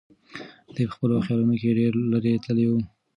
دی په خپلو خیالونو کې ډېر لرې تللی و.